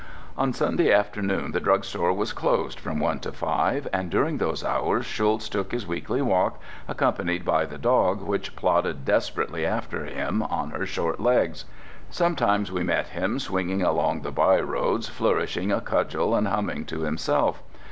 On Sunday afternoon the drugstore was closed from one to five, and during those hours Schulz took his weekly walk, accompanied by the dog which plodded desperately after him on her short legs. Sometimes we met him swinging along the by roads, flourishing a cudgel and humming to himself.